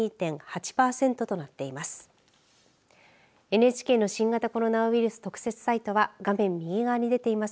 ＮＨＫの新型コロナウイルス特設サイトは画面右側に出ています